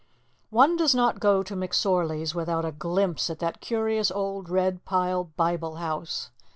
One does not go to McSorley's without a glimpse at that curious old red pile Bible House.